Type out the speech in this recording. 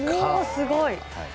すごい！